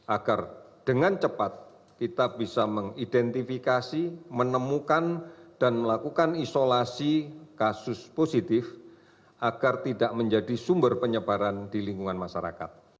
agar dengan cepat kita bisa mengidentifikasi menemukan dan melakukan isolasi kasus positif agar tidak menjadi sumber penyebaran di lingkungan masyarakat